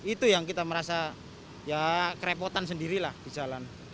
itu yang kita merasa ya kerepotan sendirilah di jalan